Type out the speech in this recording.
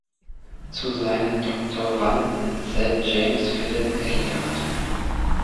Zu seinen Doktoranden zählt James Philip Elliott.